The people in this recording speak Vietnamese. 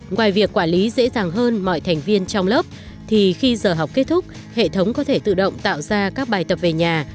ngoài việc quản lý dễ dàng hơn mọi thành viên trong lớp thì khi giờ học kết thúc hệ thống có thể tự động tạo ra các bài tập về nhà